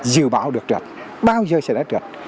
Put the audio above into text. dự báo được trượt bao giờ sẽ đất trượt